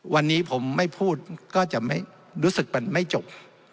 วันนี้ผมไม่พูดก็จะรู้สึกมันไม่จบ